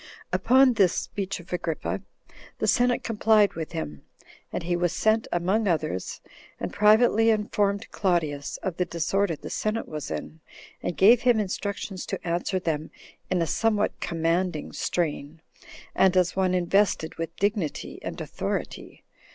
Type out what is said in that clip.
2. Upon this speech of Agrippa, the senate complied with him, and he was sent among others, and privately informed Claudius of the disorder the senate was in, and gave him instructions to answer them in a somewhat commanding strain, and as one invested with dignity and authority.